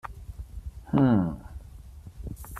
Hum...